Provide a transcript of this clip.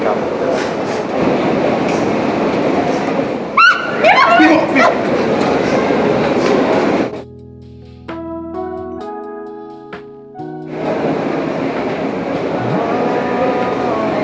itulah tanda seberapa besar bingung cinta ikam